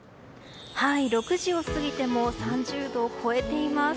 ６時を過ぎても３０度を超えています。